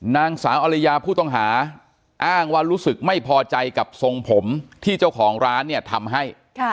นางสาวอริยาผู้ต้องหาอ้างว่ารู้สึกไม่พอใจกับทรงผมที่เจ้าของร้านเนี่ยทำให้